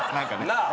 なあ。